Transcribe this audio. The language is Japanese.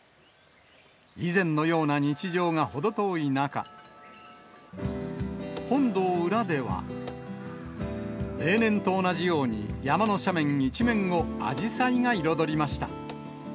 以前のような日常が程遠い中、本堂裏では、例年と同じように、山の斜面一面をあじさいが彩りました。